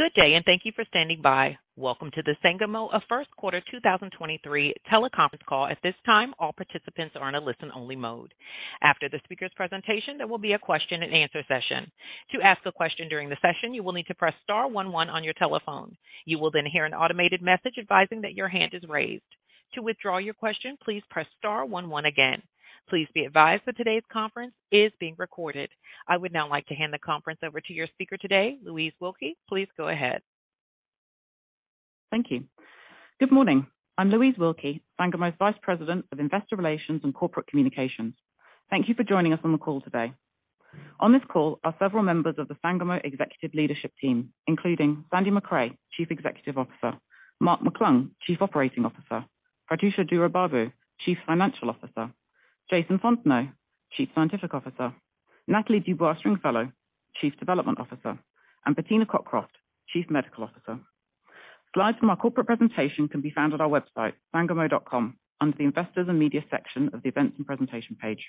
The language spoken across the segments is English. Good day. Thank you for standing by. Welcome to the Sangamo of first quarter 2023 teleconference call. At this time, all participants are in a listen-only mode. After the speaker's presentation, there will be a question-and-answer session. To ask a question during the session, you will need to press star one one on your telephone. You will then hear an automated message advising that your hand is raised. To withdraw your question, please press star one one again. Please be advised that today's conference is being recorded. I would now like to hand the conference over to your speaker today, Louise Wilkie. Please go ahead. Thank you. Good morning. I'm Louise Wilkie, Sangamo's Vice President of Investor Relations and Corporate Communications. Thank you for joining us on the call today. On this call are several members of the Sangamo executive leadership team, including Sandy MacRae, Chief Executive Officer, Mark McClung, Chief Operating Officer, Prathyusha Duraibabu, Chief Financial Officer, Jason Fontenot, Chief Scientific Officer, Nathalie Dubois-Stringfellow, Chief Development Officer, and Bettina Cockroft, Chief Medical Officer. Slides from our corporate presentation can be found on our website, sangamo.com, under the Investors and Media section of the Events and Presentation page.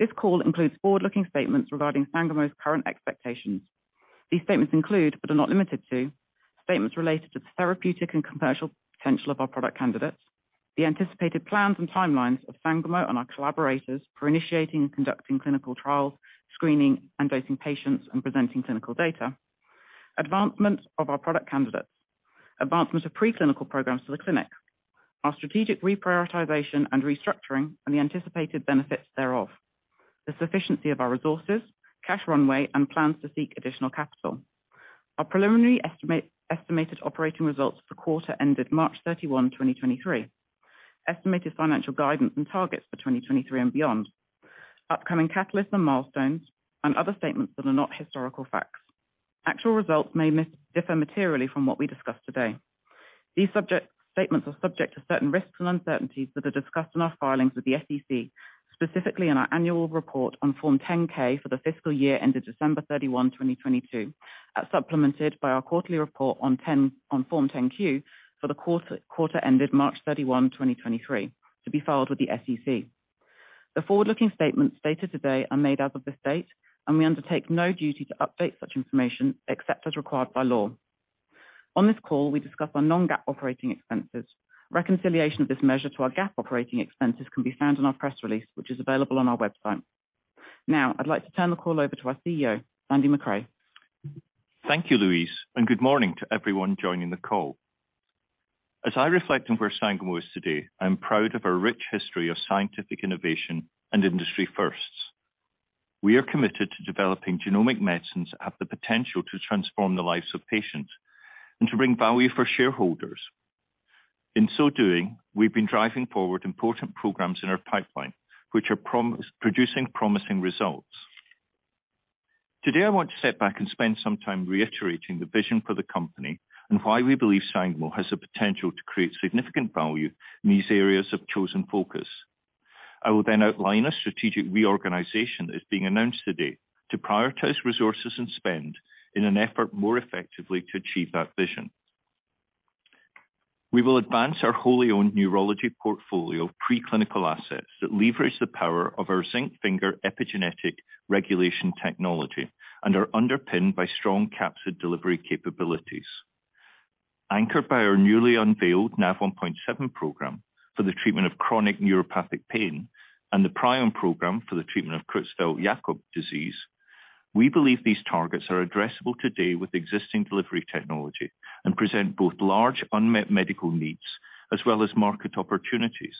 This call includes forward-looking statements regarding Sangamo's current expectations. These statements include, but are not limited to, statements related to the therapeutic and commercial potential of our product candidates, the anticipated plans and timelines of Sangamo and our collaborators for initiating and conducting clinical trials, screening and dosing patients and presenting clinical data, advancements of our product candidates, advancements of pre-clinical programs to the clinic, our strategic reprioritization and restructuring and the anticipated benefits thereof, the sufficiency of our resources, cash runway, and plans to seek additional capital. Our preliminary estimate estimated operating results for quarter ended March 31, 2023. Estimated financial guidance and targets for 2023 and beyond. Upcoming catalysts and milestones, and other statements that are not historical facts. Actual results may differ materially from what we discuss today. These statements are subject to certain risks and uncertainties that are discussed in our filings with the SEC, specifically in our annual report on Form 10-K for the fiscal year ended December 31, 2022, as supplemented by our quarterly report on Form 10-Q for the quarter ended March 31, 2023, to be filed with the SEC. The forward-looking statements stated today are made as of this date, we undertake no duty to update such information except as required by law. On this call, we discuss our non-GAAP operating expenses. Reconciliation of this measure to our GAAP operating expenses can be found in our press release, which is available on our website. I'd like to turn the call over to our CEO, Sandy Macrae. Thank you, Louise, good morning to everyone joining the call. As I reflect on where Sangamo is today, I'm proud of our rich history of scientific innovation and industry firsts. We are committed to developing genomic medicines that have the potential to transform the lives of patients and to bring value for shareholders. In so doing, we've been driving forward important programs in our pipeline, which are producing promising results. Today, I want to step back and spend some time reiterating the vision for the company and why we believe Sangamo has the potential to create significant value in these areas of chosen focus. I will outline a strategic reorganization that is being announced today to prioritize resources and spend in an effort more effectively to achieve that vision. We will advance our wholly owned neurology portfolio of preclinical assets that leverage the power of our zinc finger epigenetic regulation technology and are underpinned by strong capsid delivery capabilities. Anchored by our newly unveiled Nav1.7 program for the treatment of chronic neuropathic pain and the prion program for the treatment of Creutzfeldt-Jakob disease, we believe these targets are addressable today with existing delivery technology and present both large unmet medical needs as well as market opportunities.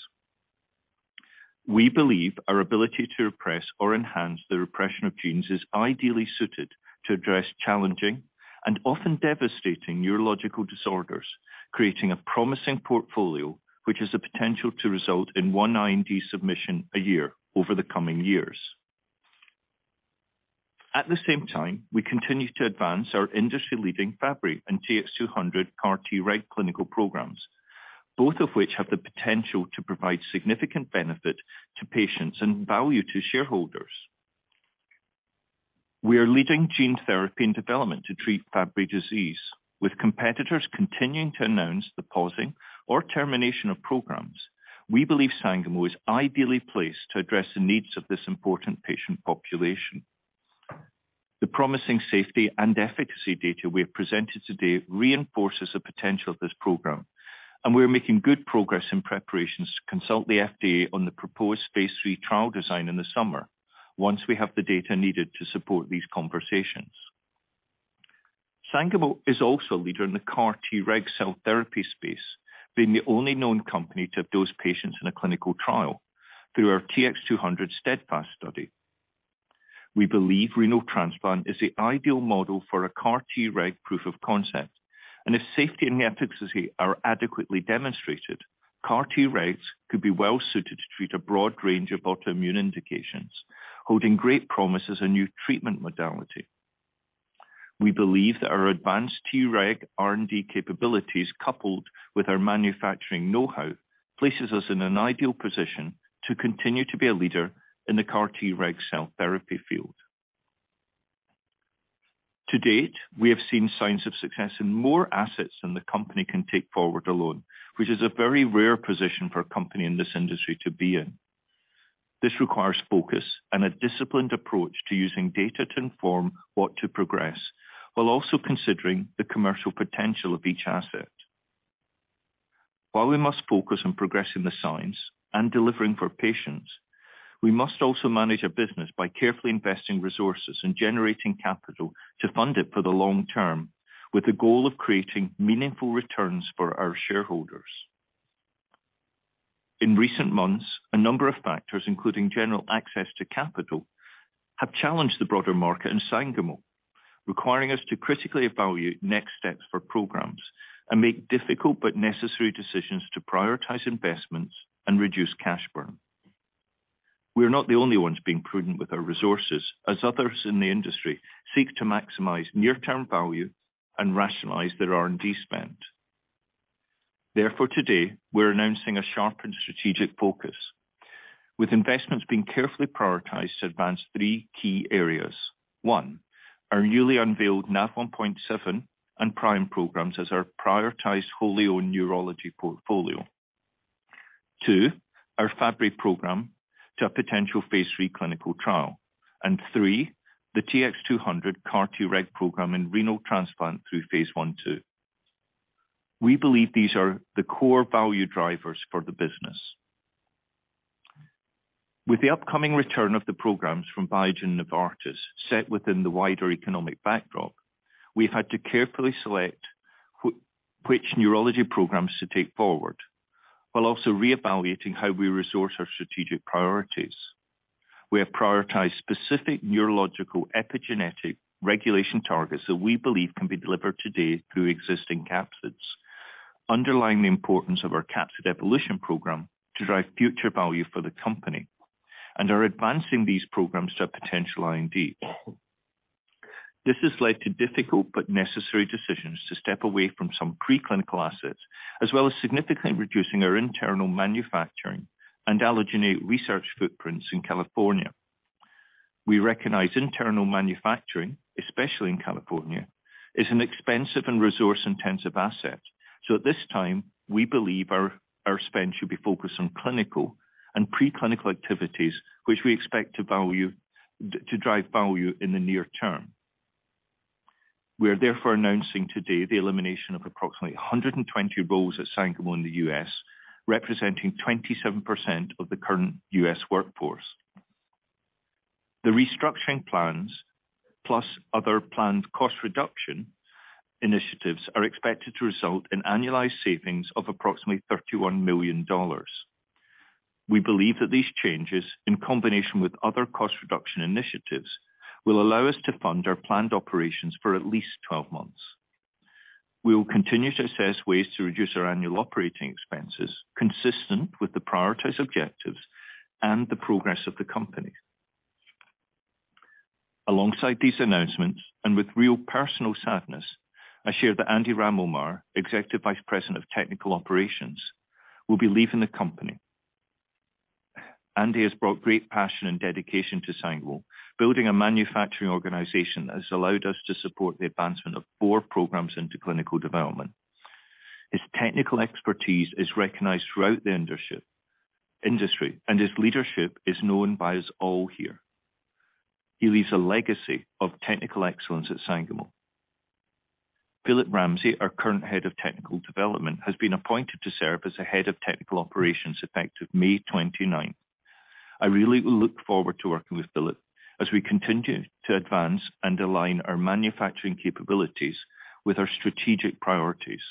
We believe our ability to repress or enhance the repression of genes is ideally suited to address challenging and often devastating neurological disorders, creating a promising portfolio, which has the potential to result in one IND submission a year over the coming years. At the same time, we continue to advance our industry-leading Fabry and TX200 CAR-Treg clinical programs, both of which have the potential to provide significant benefit to patients and value to shareholders. We are leading gene therapy and development to treat Fabry disease. With competitors continuing to announce the pausing or termination of programs, we believe Sangamo is ideally placed to address the needs of this important patient population. The promising safety and efficacy data we have presented today reinforces the potential of this program. We are making good progress in preparations to consult the FDA on the proposed phase III trial design in the summer once we have the data needed to support these conversations. Sangamo is also a leader in the CAR-Treg cell therapy space, being the only known company to have dosed patients in a clinical trial through our TX200 STEADFAST study. We believe renal transplant is the ideal model for a CAR-Treg proof of concept. If safety and efficacy are adequately demonstrated, CAR-Tregs could be well suited to treat a broad range of autoimmune indications, holding great promise as a new treatment modality. We believe that our advanced Treg R&D capabilities, coupled with our manufacturing know-how, places us in an ideal position to continue to be a leader in the CAR-Treg cell therapy field. To date, we have seen signs of success in more assets than the company can take forward alone, which is a very rare position for a company in this industry to be in. This requires focus and a disciplined approach to using data to inform what to progress, while also considering the commercial potential of each asset. While we must focus on progressing the science and delivering for patients, we must also manage our business by carefully investing resources and generating capital to fund it for the long term, with the goal of creating meaningful returns for our shareholders. In recent months, a number of factors, including general access to capital, have challenged the broader market and Sangamo, requiring us to critically evaluate next steps for programs and make difficult but necessary decisions to prioritize investments and reduce cash burn. We are not the only ones being prudent with our resources as others in the industry seek to maximize near-term value and rationalize their R&D spend. Today, we're announcing a sharpened strategic focus with investments being carefully prioritized to advance three key areas. 1, our newly unveiled Nav1.7 and prion programs as our prioritized wholly-owned neurology portfolio. 2, our Fabry program to a potential phase III clinical trial. 3, the TX200 CAR-Treg program in renal transplant through phase 1/2. We believe these are the core value drivers for the business. With the upcoming return of the programs from Biogen, Novartis set within the wider economic backdrop, we've had to carefully select which neurology programs to take forward while also reevaluating how we resource our strategic priorities. We have prioritized specific neurological epigenetic regulation targets that we believe can be delivered today through existing capsids, underlying the importance of our capsid evolution program to drive future value for the company, and are advancing these programs to our potential R&D. This has led to difficult but necessary decisions to step away from some preclinical assets, as well as significantly reducing our internal manufacturing and allogeneic research footprints in California. We recognize internal manufacturing, especially in California, is an expensive and resource-intensive asset. At this time, we believe our spend should be focused on clinical and preclinical activities, which we expect to drive value in the near term. We are therefore announcing today the elimination of approximately 120 roles at Sangamo in the US, representing 27% of the current US workforce. The restructuring plans plus other planned cost reduction initiatives are expected to result in annualized savings of approximately $31 million. We believe that these changes, in combination with other cost reduction initiatives, will allow us to fund our planned operations for at least 12 months. We will continue to assess ways to reduce our annual operating expenses consistent with the prioritized objectives and the progress of the company. Alongside these announcements, with real personal sadness, I share that Andy Ramelmeier, Executive Vice President, Technical Operations, will be leaving the company. Andy has brought great passion and dedication to Sangamo, building a manufacturing organization that has allowed us to support the advancement of four programs into clinical development. His technical expertise is recognized throughout the industry, and his leadership is known by us all here. He leaves a legacy of technical excellence at Sangamo. Philip Ramsey, our current Head of Technical Development, has been appointed to serve as the Head of Technical Operations effective May 29. I really look forward to working with Phillip as we continue to advance and align our manufacturing capabilities with our strategic priorities.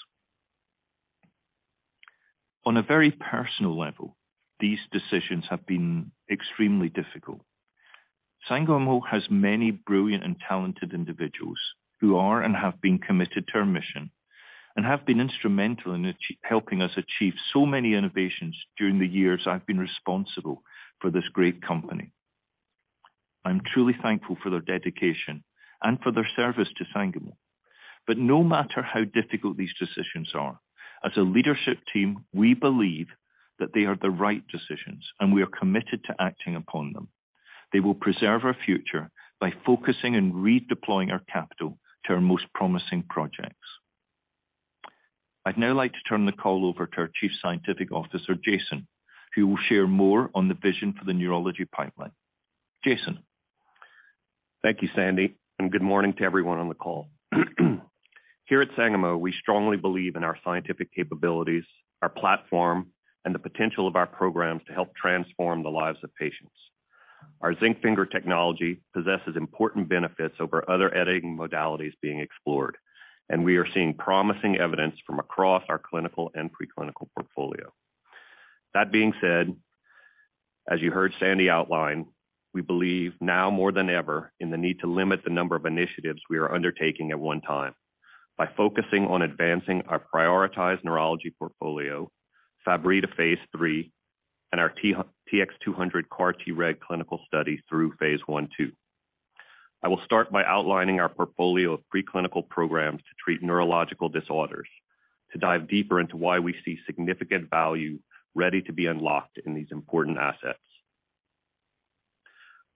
On a very personal level, these decisions have been extremely difficult. Sangamo has many brilliant and talented individuals who are and have been committed to our mission and have been instrumental in helping us achieve so many innovations during the years I've been responsible for this great company. I'm truly thankful for their dedication and for their service to Sangamo. No matter how difficult these decisions are, as a leadership team, we believe that they are the right decisions, and we are committed to acting upon them. They will preserve our future by focusing and redeploying our capital to our most promising projects. I'd now like to turn the call over to our Chief Scientific Officer, Jason, who will share more on the vision for the neurology pipeline. Jason. Thank you, Sandy, and good morning to everyone on the call. Here at Sangamo, we strongly believe in our scientific capabilities, our platform, and the potential of our programs to help transform the lives of patients. Our zinc finger technology possesses important benefits over other editing modalities being explored, and we are seeing promising evidence from across our clinical and preclinical portfolio. That being said, as you heard Sandy outline, we believe now more than ever in the need to limit the number of initiatives we are undertaking at one time by focusing on advancing our prioritized neurology portfolio, Fabry to phase III, and our TX200 CAR-Treg clinical study through phase I, II. I will start by outlining our portfolio of preclinical programs to treat neurological disorders, to dive deeper into why we see significant value ready to be unlocked in these important assets.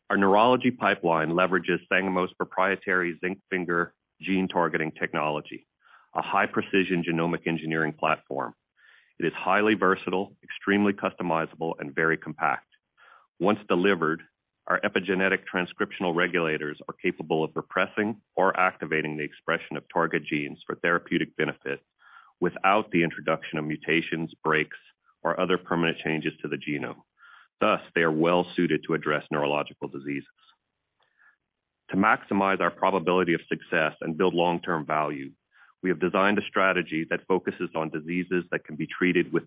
Our neurology pipeline leverages Sangamo's proprietary zinc finger gene targeting technology, a high-precision genomic engineering platform. It is highly versatile, extremely customizable, and very compact. Once delivered, our epigenetic transcriptional regulators are capable of repressing or activating the expression of target genes for therapeutic benefits without the introduction of mutations, breaks, or other permanent changes to the genome. Thus, they are well-suited to address neurological diseases. To maximize our probability of success and build long-term value, we have designed a strategy that focuses on diseases that can be treated with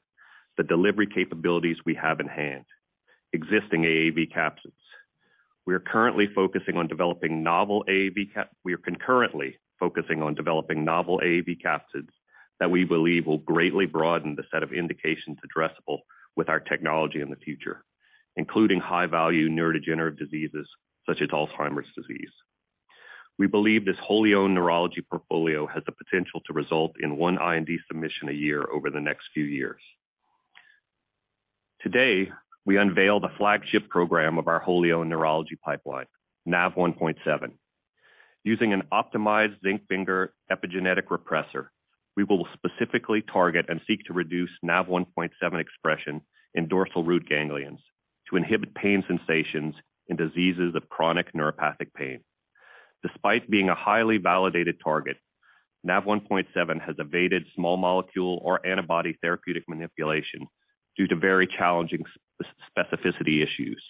the delivery capabilities we have in hand, existing AAV capsids. We are concurrently focusing on developing novel AAV capsids that we believe will greatly broaden the set of indications addressable with our technology in the future, including high-value neurodegenerative diseases such as Alzheimer's disease. We believe this wholly-owned neurology portfolio has the potential to result in one IND submission a year over the next few years. Today, we unveil the flagship program of our wholly-owned neurology pipeline, Nav1.7. Using an optimized zinc finger epigenetic repressor, we will specifically target and seek to reduce Nav1.7 expression in dorsal root ganglia to inhibit pain sensations in diseases of chronic neuropathic pain. Despite being a highly validated target, Nav1.7 has evaded small molecule or antibody therapeutic manipulation due to very challenging specificity issues.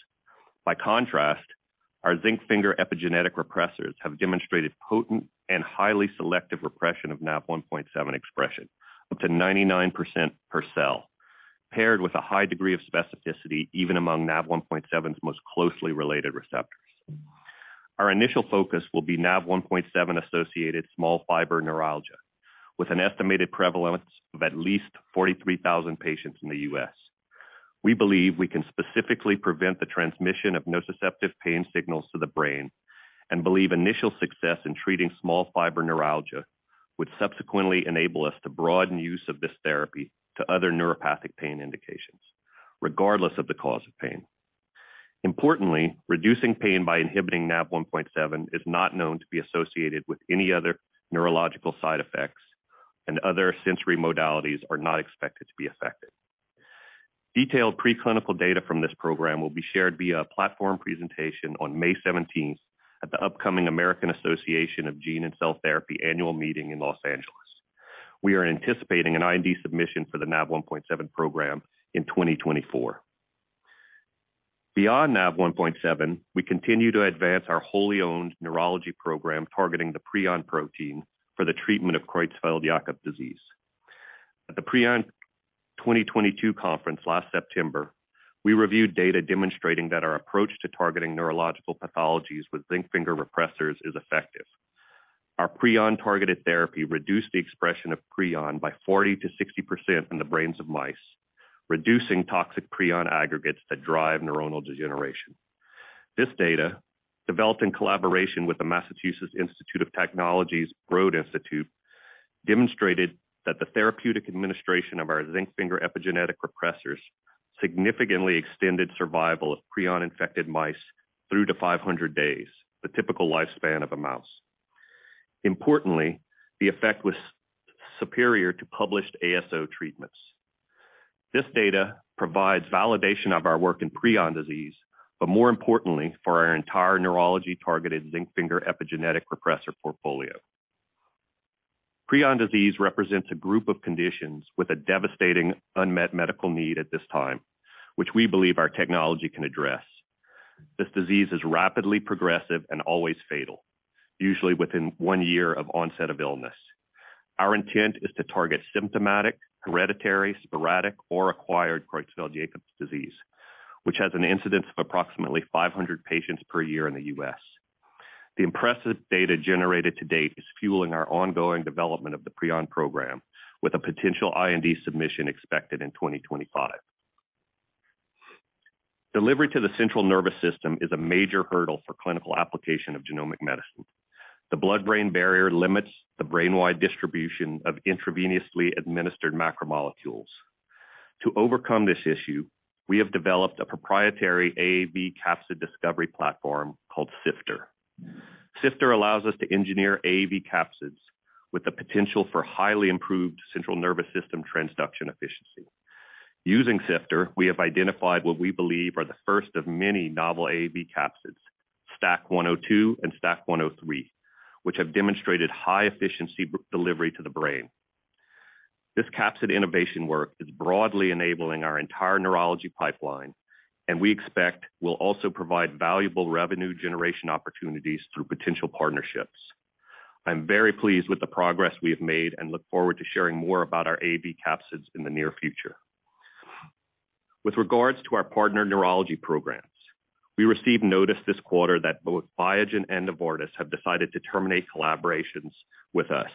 By contrast, our zinc finger epigenetic repressors have demonstrated potent and highly selective repression of Nav1.7 expression, up to 99% per cell, paired with a high degree of specificity even among Nav1.7's most closely related receptors. Our initial focus will be Nav1.7-associated small fiber neuropathy, with an estimated prevalence of at least 43,000 patients in the US. We believe we can specifically prevent the transmission of nociceptive pain signals to the brain and believe initial success in treating small fiber neuropathy would subsequently enable us to broaden use of this therapy to other neuropathic pain indications, regardless of the cause of pain. Importantly, reducing pain by inhibiting Nav1.7 is not known to be associated with any other neurological side effects and other sensory modalities are not expected to be affected. Detailed preclinical data from this program will be shared via a platform presentation on May 17th at the upcoming American Society of Gene & Cell Therapy annual meeting in Los Angeles. We are anticipating an IND submission for the Nav1.7 program in 2024. Beyond Nav1.7, we continue to advance our wholly owned neurology program targeting the prion protein for the treatment of Creutzfeldt-Jakob disease. At the Prion 2022 conference last September, we reviewed data demonstrating that our approach to targeting neurological pathologies with zinc finger repressors is effective. Our prion-targeted therapy reduced the expression of prion by 40%-60% in the brains of mice, reducing toxic prion aggregates that drive neuronal degeneration. This data, developed in collaboration with the Massachusetts Institute of Technology's Broad Institute, demonstrated that the therapeutic administration of our zinc finger epigenetic repressors significantly extended survival of prion-infected mice through to 500 days, the typical lifespan of a mouse. Importantly, the effect was superior to published ASO treatments. This data provides validation of our work in prion disease, but more importantly, for our entire neurology-targeted zinc finger epigenetic repressor portfolio. Prion disease represents a group of conditions with a devastating unmet medical need at this time, which we believe our technology can address. This disease is rapidly progressive and always fatal, usually within one year of onset of illness. Our intent is to target symptomatic, hereditary, sporadic, or acquired Creutzfeldt-Jakob disease, which has an incidence of approximately 500 patients per year in the US. The impressive data generated to date is fueling our ongoing development of the prion program, with a potential IND submission expected in 2025. Delivery to the central nervous system is a major hurdle for clinical application of genomic medicine. The blood-brain barrier limits the brain-wide distribution of intravenously administered macromolecules. To overcome this issue, we have developed a proprietary AAV capsid discovery platform called SIFTER. SIFTER allows us to engineer AAV capsids with the potential for highly improved central nervous system transduction efficiency. Using SIFTER, we have identified what we believe are the first of many novel AAV capsids, STAC-102 and STAC-103, which have demonstrated high-efficiency delivery to the brain. This capsid innovation work is broadly enabling our entire neurology pipeline, we expect will also provide valuable revenue generation opportunities through potential partnerships. I'm very pleased with the progress we have made and look forward to sharing more about our AAV capsids in the near future. With regards to our partner neurology programs, we received notice this quarter that both Biogen and Novartis have decided to terminate collaborations with us.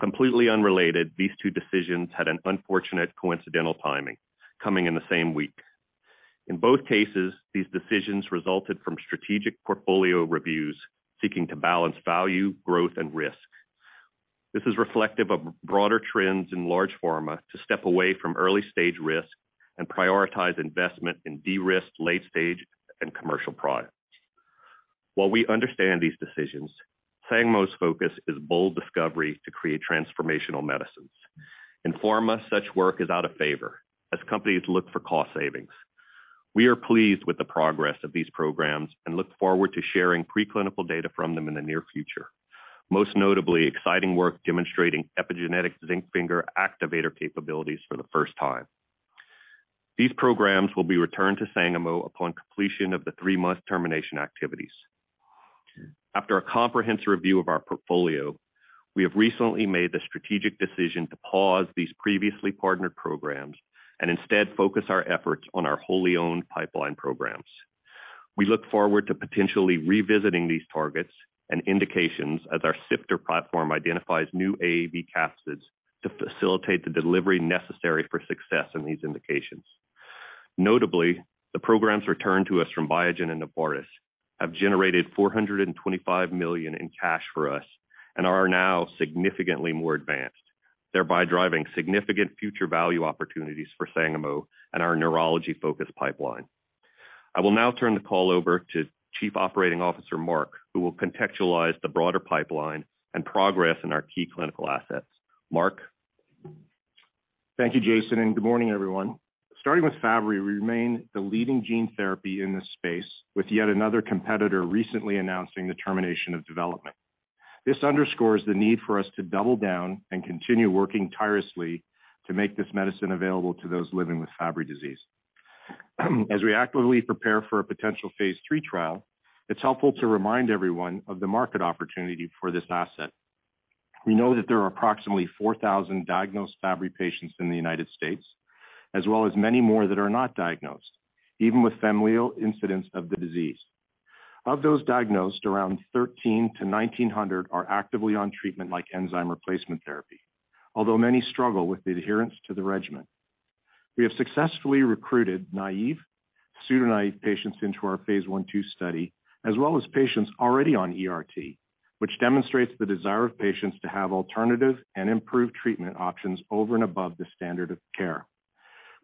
Completely unrelated, these two decisions had an unfortunate coincidental timing, coming in the same week. In both cases, these decisions resulted from strategic portfolio reviews seeking to balance value, growth, and risk. This is reflective of broader trends in large pharma to step away from early-stage risk and prioritize investment in de-risked late-stage and commercial products. We understand these decisions, Sangamo's focus is bold discovery to create transformational medicines. In pharma, such work is out of favor as companies look for cost savings. We are pleased with the progress of these programs and look forward to sharing preclinical data from them in the near future. Most notably, exciting work demonstrating epigenetic zinc finger activator capabilities for the first time. These programs will be returned to Sangamo upon completion of the three-month termination activities. After a comprehensive review of our portfolio, we have recently made the strategic decision to pause these previously partnered programs and instead focus our efforts on our wholly owned pipeline programs. We look forward to potentially revisiting these targets and indications as our SIFTER platform identifies new AAV capsids to facilitate the delivery necessary for success in these indications. Notably, the programs returned to us from Biogen and Novartis have generated $425 million in cash for us and are now significantly more advanced, thereby driving significant future value opportunities for Sangamo and our neurology-focused pipeline. I will now turn the call over to Chief Operating Officer Mark, who will contextualize the broader pipeline and progress in our key clinical assets. Mark? Thank you, Jason. Good morning, everyone. Starting with Fabry, we remain the leading gene therapy in this space, with yet another competitor recently announcing the termination of development. This underscores the need for us to double down and continue working tirelessly to make this medicine available to those living with Fabry disease. As we actively prepare for a potential phase III trial, it's helpful to remind everyone of the market opportunity for this asset. We know that there are approximately 4,000 diagnosed Fabry patients in the United States, as well as many more that are not diagnosed, even with familial incidence of the disease. Of those diagnosed, around 1,300-1,900 are actively on treatment like enzyme replacement therapy, although many struggle with the adherence to the regimen. We have successfully recruited naive, pseudo-naive patients into our Phase 1/2 study, as well as patients already on ERT, which demonstrates the desire of patients to have alternative and improved treatment options over and above the standard of care.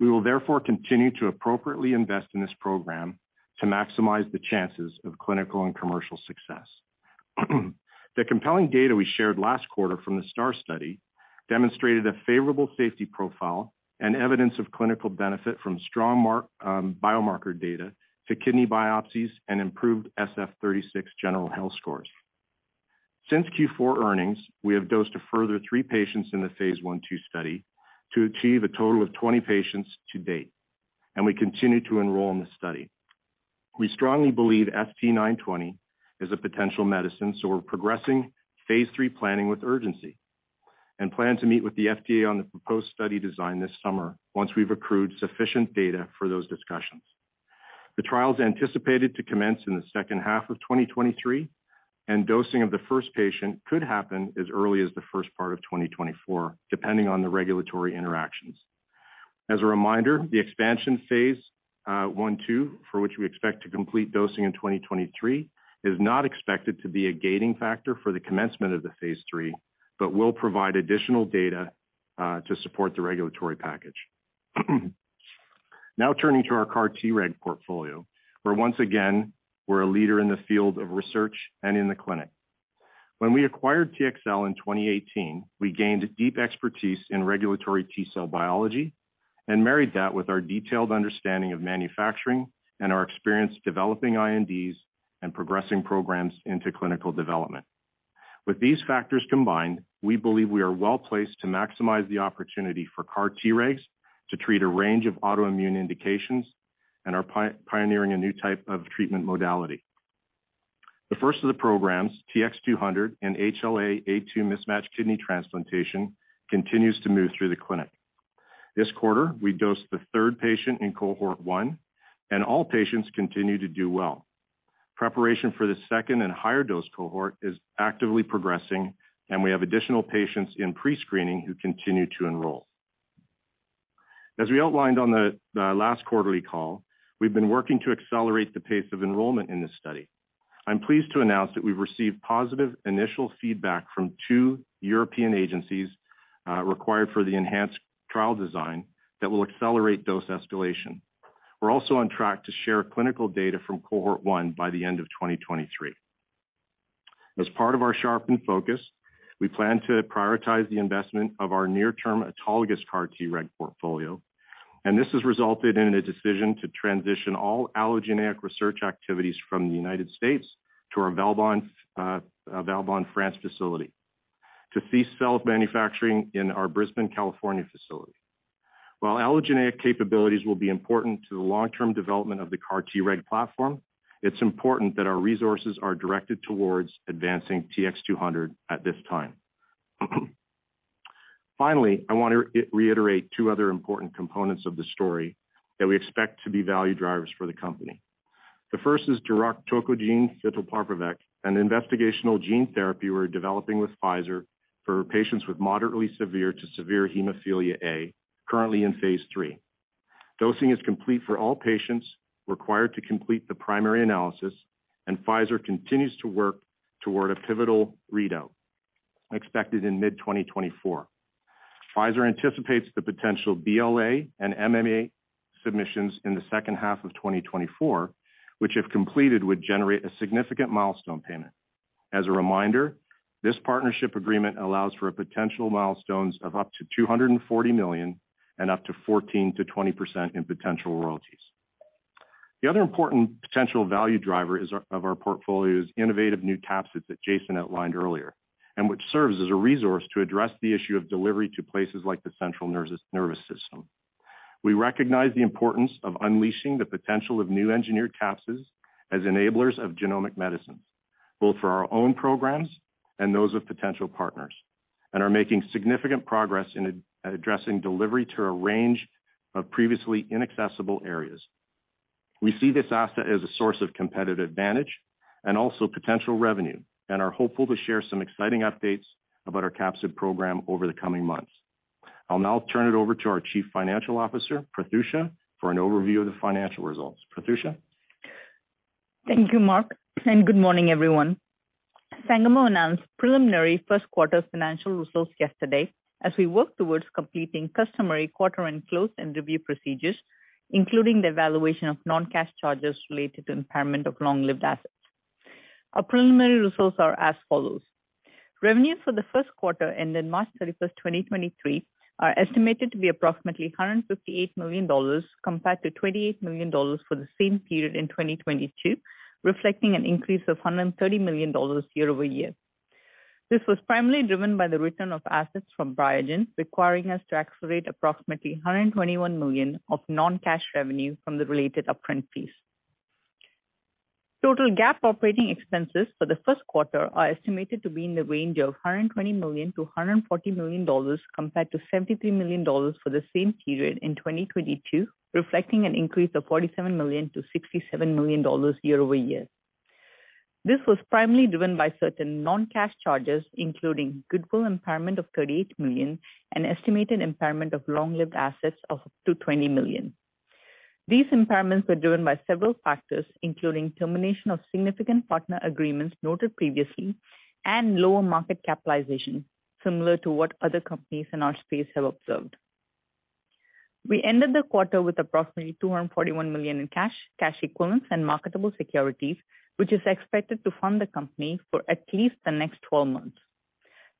We will continue to appropriately invest in this program to maximize the chances of clinical and commercial success. The compelling data we shared last quarter from the STAAR study demonstrated a favorable safety profile and evidence of clinical benefit from strong biomarker data to kidney biopsies and improved SF-36 general health scores. Since Q4 earnings, we have dosed a further 3 patients in the Phase 1/2 study to achieve a total of 20 patients to date, and we continue to enroll in this study. We strongly believe ST-920 is a potential medicine. We're progressing phase III planning with urgency and plan to meet with the FDA on the proposed study design this summer once we've accrued sufficient data for those discussions. The trial is anticipated to commence in the second half of 2023. Dosing of the first patient could happen as early as the first part of 2024, depending on the regulatory interactions. As a reminder, the expansion Phase 1/2, for which we expect to complete dosing in 2023, is not expected to be a gating factor for the commencement of the phase III, but will provide additional data to support the regulatory package. Turning to our CAR-Treg portfolio, where once again, we're a leader in the field of research and in the clinic. When we acquired TxCell in 2018, we gained deep expertise in regulatory T-cell biology and married that with our detailed understanding of manufacturing and our experience developing INDs and progressing programs into clinical development. With these factors combined, we believe we are well-placed to maximize the opportunity for CAR-Tregs to treat a range of autoimmune indications and are pioneering a new type of treatment modality. The first of the programs, TX200 and HLA-A2 mismatched kidney transplantation, continues to move through the clinic. This quarter, we dosed the third patient in cohort 1, and all patients continue to do well. Preparation for the second and higher dose cohort is actively progressing, and we have additional patients in pre-screening who continue to enroll. As we outlined on the last quarterly call, we've been working to accelerate the pace of enrollment in this study. I'm pleased to announce that we've received positive initial feedback from two European agencies required for the enhanced trial design that will accelerate dose escalation. We're also on track to share clinical data from cohort 1 by the end of 2023. As part of our sharpened focus, we plan to prioritize the investment of our near-term autologous CAR-Treg portfolio. This has resulted in a decision to transition all allogeneic research activities from the United States to our Valbonne, France facility to cease cell manufacturing in our Brisbane, California facility. While allogeneic capabilities will be important to the long-term development of the CAR-Treg platform, it's important that our resources are directed towards advancing TX200 at this time. Finally, I want to reiterate two other important components of the story that we expect to be value drivers for the company. The first is giroctocogene fitelparvovec, an investigational gene therapy we're developing with Pfizer for patients with moderately severe to severe hemophilia A, currently in phase III. Dosing is complete for all patients required to complete the primary analysis. Pfizer continues to work toward a pivotal readout expected in mid-2024. Pfizer anticipates the potential BLA and MAA submissions in the second half of 2024, which, if completed, would generate a significant milestone payment. As a reminder, this partnership agreement allows for potential milestones of up to $240 million and up to 14%-20% in potential royalties. The other important potential value driver is of our portfolio's innovative new capsids that Jason outlined earlier and which serves as a resource to address the issue of delivery to places like the central nervous system. We recognize the importance of unleashing the potential of new engineered capsids as enablers of genomic medicines, both for our own programs and those of potential partners, and are making significant progress in addressing delivery to a range of previously inaccessible areas. We see this asset as a source of competitive advantage and also potential revenue and are hopeful to share some exciting updates about our capsid program over the coming months. I'll now turn it over to our Chief Financial Officer, Prathyusha, for an overview of the financial results. Prathyusha? Thank you, Mark. Good morning, everyone. Sangamo announced preliminary first quarter financial results yesterday as we work towards completing customary quarter-end close and review procedures, including the evaluation of non-cash charges related to impairment of long-lived assets. Our preliminary results are as follows. Revenue for the first quarter ended March 31st, 2023 are estimated to be approximately $158 million compared to $28 million for the same period in 2022, reflecting an increase of $130 million year-over-year. This was primarily driven by the return of assets from Biogen, requiring us to accelerate approximately $121 million of non-cash revenue from the related up-front fees. Total GAAP operating expenses for the first quarter are estimated to be in the range of $120 million-$140 million compared to $73 million for the same period in 2022, reflecting an increase of $47 million-$67 million year-over-year. This was primarily driven by certain non-cash charges, including goodwill impairment of $38 million and estimated impairment of long-lived assets of up to $20 million. These impairments were driven by several factors, including termination of significant partner agreements noted previously and lower market capitalization, similar to what other companies in our space have observed. We ended the quarter with approximately $241 million in cash equivalents, and marketable securities, which is expected to fund the company for at least the next 12 months.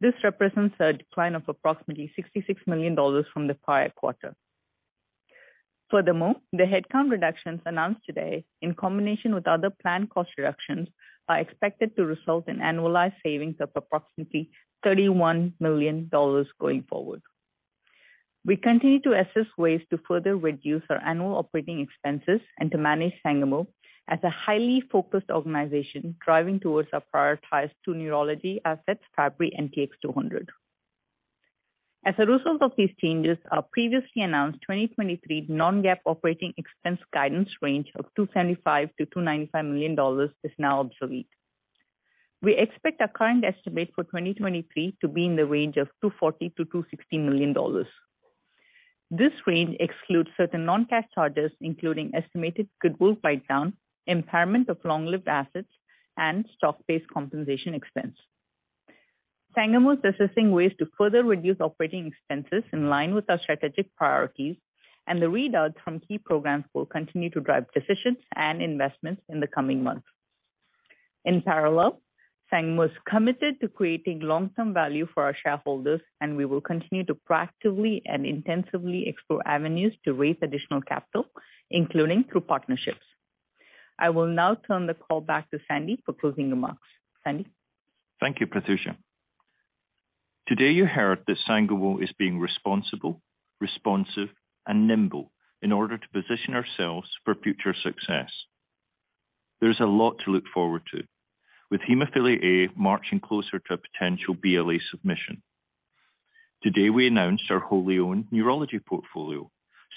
This represents a decline of approximately $66 million from the prior quarter. The headcount reductions announced today, in combination with other planned cost reductions, are expected to result in annualized savings of approximately $31 million going forward. We continue to assess ways to further reduce our annual operating expenses and to manage Sangamo as a highly focused organization driving towards our prioritized two neurology assets, Fabry and TX200. As a result of these changes, our previously announced 2023 non-GAAP operating expense guidance range of $275 million-$295 million is now obsolete. We expect our current estimate for 2023 to be in the range of $240 million-$260 million. This range excludes certain non-cash charges, including estimated goodwill write-down, impairment of long-lived assets, and stock-based compensation expense. Sangamo is assessing ways to further reduce operating expenses in line with our strategic priorities. The readouts from key programs will continue to drive decisions and investments in the coming months. In parallel, Sangamo is committed to creating long-term value for our shareholders. We will continue to proactively and intensively explore avenues to raise additional capital, including through partnerships. I will now turn the call back to Sandy for closing remarks. Sandy? Thank you, Prathyusha. Today, you heard that Sangamo is being responsible, responsive, and nimble in order to position ourselves for future success. There's a lot to look forward to. With hemophilia A marching closer to a potential BLA submission. Today, we announced our wholly owned neurology portfolio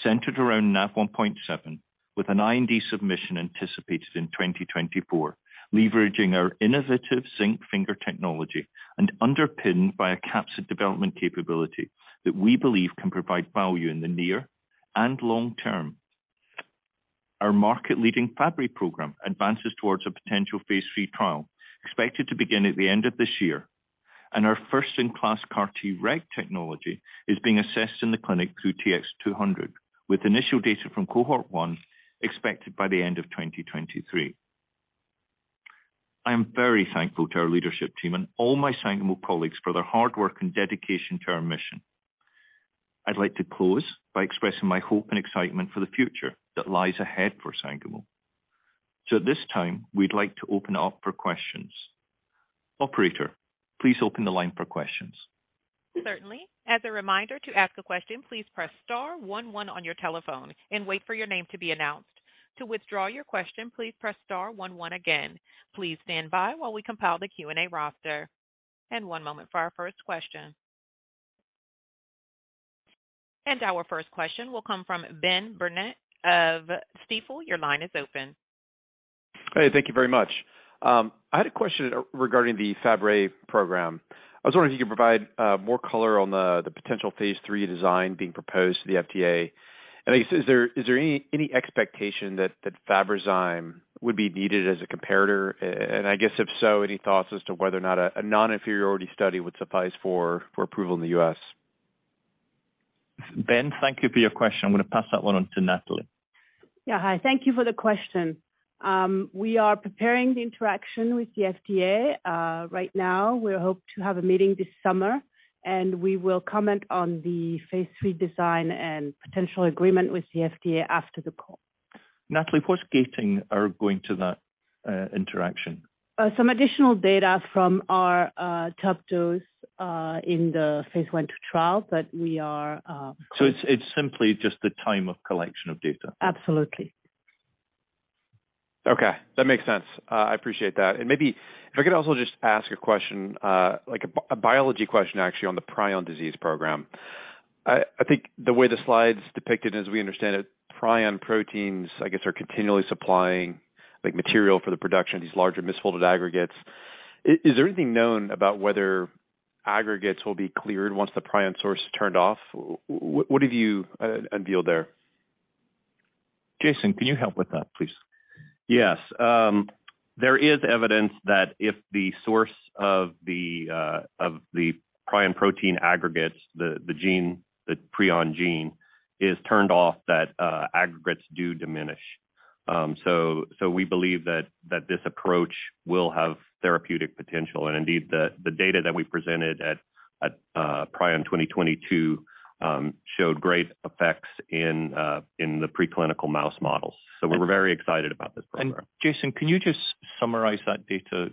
centered around Nav1.7, with an IND submission anticipated in 2024, leveraging our innovative zinc finger technology and underpinned by a capsid development capability that we believe can provide value in the near and long term. Our market-leading Fabry program advances towards a potential phase III trial expected to begin at the end of this year. Our first-in-class CAR-Treg technology is being assessed in the clinic through TX200, with initial data from cohort 1 expected by the end of 2023. I am very thankful to our leadership team and all my Sangamo colleagues for their hard work and dedication to our mission. I'd like to close by expressing my hope and excitement for the future that lies ahead for Sangamo. At this time, we'd like to open it up for questions. Operator, please open the line for questions. Certainly. As a reminder, to ask a question, please press star one one on your telephone and wait for your name to be announced. To withdraw your question, please press star one one again. Please stand by while we compile the Q&A roster. One moment for our first question. Our first question will come from Ben Burnett of Stifel. Your line is open. Hey, thank you very much. I had a question regarding the Fabry program. I was wondering if you could provide more color on the potential phase III design being proposed to the FDA. I guess, is there any expectation that Fabrazyme would be needed as a comparator? I guess if so, any thoughts as to whether or not a non-inferiority study would suffice for approval in the US. Ben, thank you for your question. I'm gonna pass that one on to Nathalie. Yeah. Hi. Thank you for the question. We are preparing the interaction with the FDA. Right now, we hope to have a meeting this summer. We will comment on the phase III design and potential agreement with the FDA after the call. Nathalie, what's gating or going to that, interaction? Some additional data from our top dose in the phase 1/2 trial, but we are. It's simply just the time of collection of data. Absolutely. Okay. That makes sense. I appreciate that. Maybe if I could also just ask a question, like a biology question actually on the prion disease program. I think the way the slide's depicted as we understand it, prion proteins, I guess, are continually supplying like material for the production of these larger misfolded aggregates. Is there anything known about whether aggregates will be cleared once the prion source is turned off? What have you unveiled there? Jason, can you help with that, please? Yes. There is evidence that if the source of the of the prion protein aggregates the gene, the prion gene is turned off that aggregates do diminish. We believe that this approach will have therapeutic potential. Indeed, the data that we presented at Prion 2022, showed great effects in the preclinical mouse models. We're very excited about this program. Jason, can you just summarize that data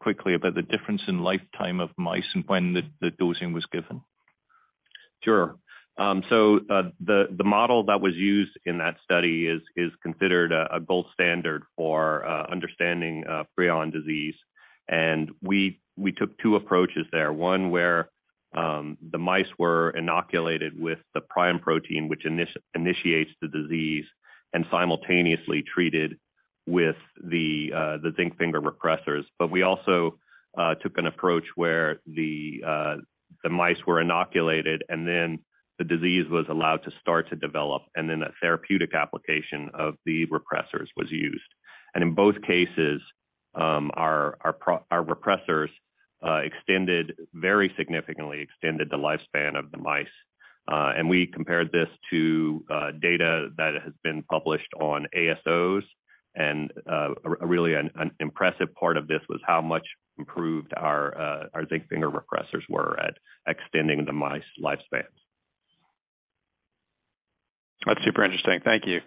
quickly about the difference in lifetime of mice and when the dosing was given? Sure. The model that was used in that study is considered a gold standard for understanding prion disease. We took two approaches there. One where the mice were inoculated with the prion protein, which initiates the disease and simultaneously treated with the zinc finger repressors. We also took an approach where the mice were inoculated, and then the disease was allowed to start to develop and then that therapeutic application of the repressors was used. In both cases, our repressors extended, very significantly extended the lifespan of the mice. We compared this to data that has been published on ASOs and really an impressive part of this was how much improved our zinc finger repressors were at extending the mice lifespans. That's super interesting. Thank you.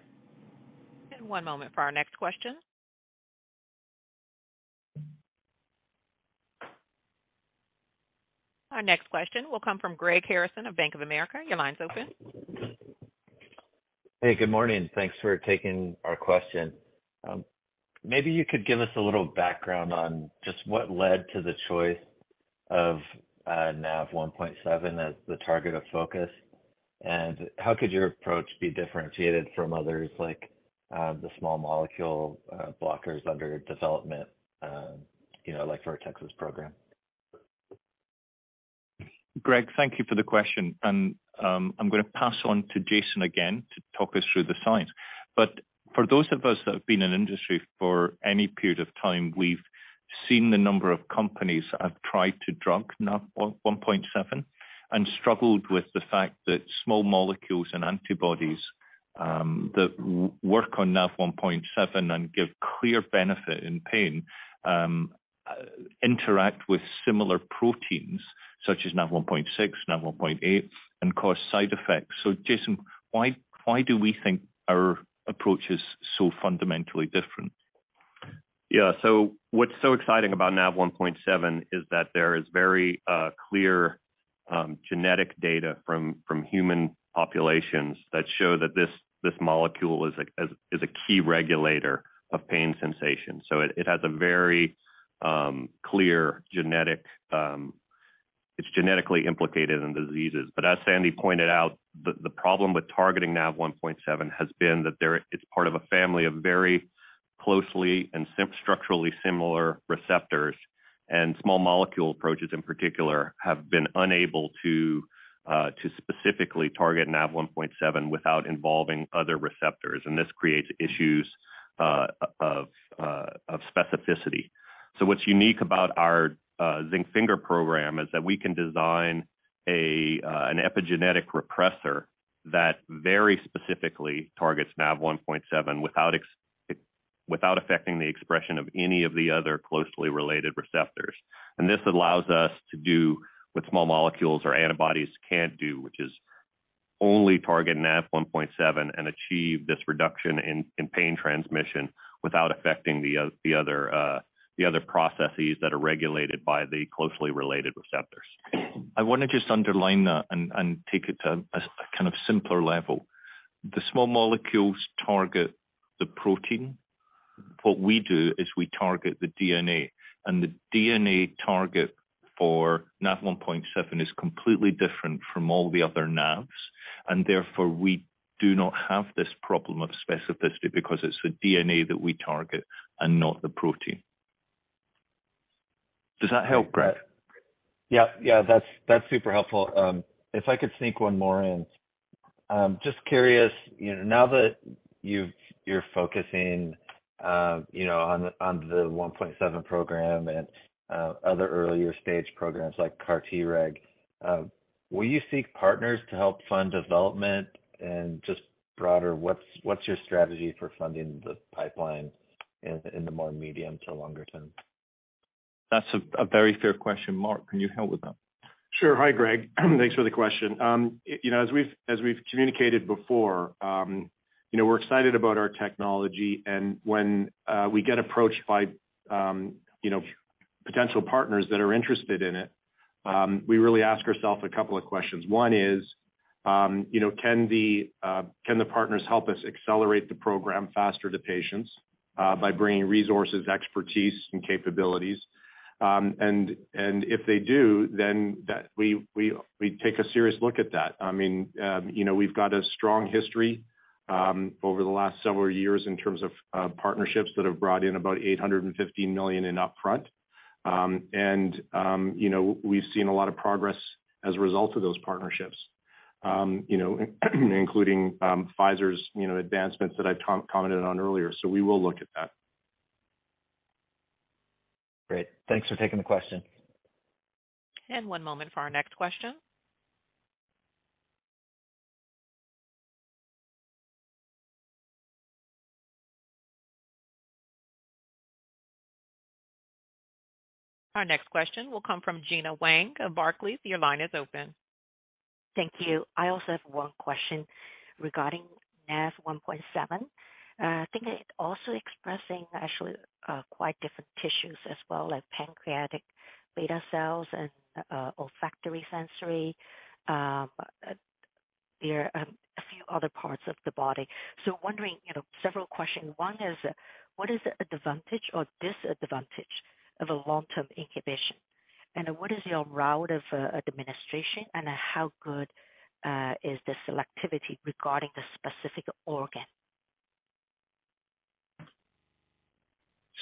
One moment for our next question. Our next question will come from Greg Harrison of Bank of America. Your line's open. Hey, good morning. Thanks for taking our question. Maybe you could give us a little background on just what led to the choice of Nav1.7 as the target of focus, and how could your approach be differentiated from others like the small molecule blockers under development, you know, like for our Nav1.7 program? Greg, thank you for the question. I'm gonna pass on to Jason again to talk us through the science. For those of us that have been in industry for any period of time, we've seen the number of companies that have tried to drug Nav1.7 and struggled with the fact that small molecules and antibodies that work on Nav1.7 and give clear benefit in pain, interact with similar proteins such as Nav1.6, Nav1.8, and cause side effects. Jason, why do we think our approach is so fundamentally different? Yeah. What's so exciting about Nav1.7 is that there is very clear genetic data from human populations that show that this molecule is a key regulator of pain sensation. It has a very clear genetic. It's genetically implicated in diseases. As Sandy pointed out, the problem with targeting Nav1.7 has been that it's part of a family of very closely and structurally similar receptors, and small molecule approaches in particular, have been unable to specifically target Nav1.7 without involving other receptors, and this creates issues of specificity. What's unique about our zinc finger program is that we can design an epigenetic repressor that very specifically targets Nav1.7 without affecting the expression of any of the other closely related receptors. This allows us to do what small molecules or antibodies can't do, which is only target Nav1.7 and achieve this reduction in pain transmission without affecting the other processes that are regulated by the closely related receptors. I want to just underline that and take it to a kind of simpler level. The small molecules target the protein. What we do is we target the DNA, and the DNA target for Nav1.7 is completely different from all the other Navs, and therefore we do not have this problem of specificity because it's the DNA that we target and not the protein. Does that help, Greg? That's, that's super helpful. If I could sneak one more in. Just curious, you know, now that you're focusing, you know, on the 1.7 program and other earlier stage programs like CAR-Treg, will you seek partners to help fund development? Just broader, what's your strategy for funding the pipeline in the more medium to longer term? That's a very fair question. Mark, can you help with that? Sure. Hi, Greg. Thanks for the question. You know, as we've communicated before, you know, we're excited about our technology. When we get approached by, you know, potential partners that are interested in it, we really ask ourselves a couple of questions. One is, you know, can the partners help us accelerate the program faster to patients, by bringing resources, expertise, and capabilities? If they do, then we take a serious look at that. I mean, you know, we've got a strong history, over the last several years in terms of partnerships that have brought in about $850 million in upfront. You know, we've seen a lot of progress as a result of those partnerships. you know, including, Pfizer's, you know, advancements that I commented on earlier. We will look at that. Great. Thanks for taking the question. One moment for our next question. Our next question will come from Gena Wang of Barclays. Your line is open. Thank you. I also have one question regarding Nav1.7. I think it's also expressing actually, quite different tissues as well, like pancreatic beta cells and olfactory sensory. There, a few other parts of the body. Wondering, you know, several questions. One is, what is the advantage or disadvantage of a long-term inhibition? What is your route of administration, and how good is the selectivity regarding the specific